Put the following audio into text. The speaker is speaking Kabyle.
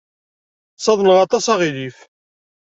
Ttaḍneɣ aṭas aɣilif.